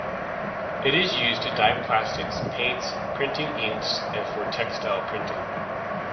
It is used to dye plastics, paints, printing inks, and for textile printing.